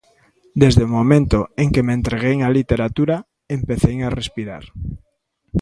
Desde o momento en que me entreguei á literatura, empecei a respirar.